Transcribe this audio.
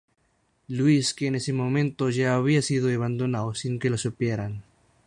Louis, que en ese momento ya había sido abandonado sin que lo supieran.